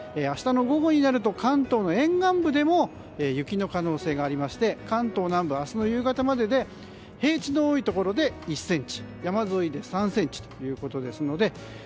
明日の午後になると関東の沿岸部でも雪の可能性がありまして関東南部、明日の夕方までで平地の多いところで１ｃｍ山沿いで３ｃｍということですので